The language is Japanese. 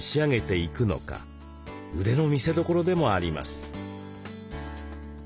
腕の見せどころでもあります。